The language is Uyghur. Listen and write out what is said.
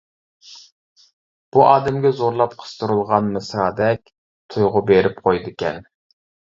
بۇ ئادەمگە زورلاپ قىستۇرۇلغان مىسرادەك تۇيغۇ بېرىپ قويىدىكەن.